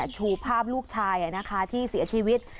ชูภาพลูกชายที่เสียชีวิต